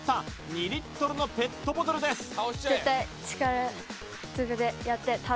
２リットルのペットボトルです